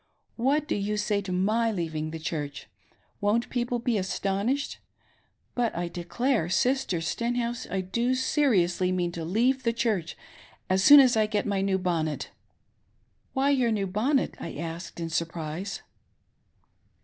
What do you say to my feaving the Church .' Won*t people be astonished ? But I declare, Sister Stenhouse, I do seriously mean to leave the Church as soon as Iget my new bonnet^— " "Why your new bonnet ?" I asked in surprise.